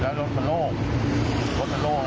และรถมันโล่ง